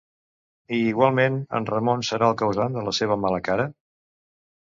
I igualment en Ramon serà el causant de la seva mala cara?